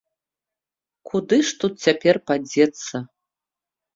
Куды ж тут цяпер падзецца?!